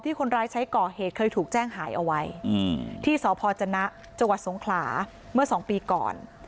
คนร้ายใช้ก่อเหตุเคยถูกแจ้งหายเอาไว้ที่สพจนะจังหวัดสงขลาเมื่อ๒ปีก่อน